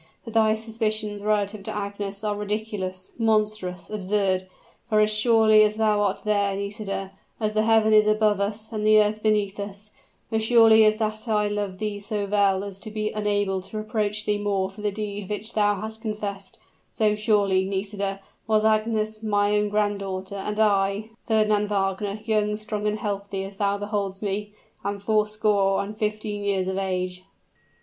But thy suspicions relative to Agnes are ridiculous, monstrous, absurd. For, as surely as thou art there, Nisida as the heaven is above us and the earth beneath us as surely as that I love thee so well as to be unable to reproach thee more for the deed which thou hast confessed so surely, Nisida, was Agnes my own granddaughter, and I I, Fernand Wagner young, strong, and healthy as thou beholdest me, am fourscore and fifteen years of age."